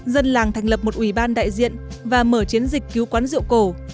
dân làng thành lập một ủy ban đại diện và mở chiến dịch cứu quán rượu cổ